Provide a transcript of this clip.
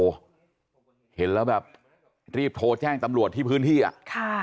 โอ้โหเห็นแล้วแบบรีบโทรแจ้งตำรวจที่พื้นที่อ่ะค่ะ